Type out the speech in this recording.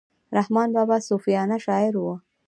رحمان بابا صوفیانه شاعر وو.